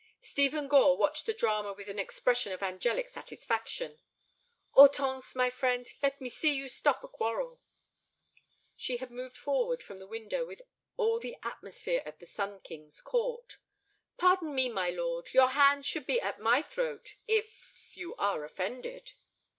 Stephen Gore watched the drama with an expression of angelic satisfaction. "Hortense, my friend, let me see you stop a quarrel." She had moved forward from the window with all the atmosphere of the Sun King's court. "Pardon me, my lord. Your hand should be at my throat—if—you are offended."